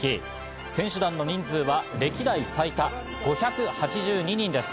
選手団の人数は歴代最多、５８２人です。